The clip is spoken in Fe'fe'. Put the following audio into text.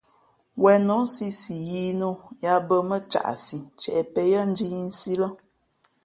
Wen nǒ nsī si yīī nō yāā bᾱ mά caʼsi ntieʼ pěn njīīsī lά.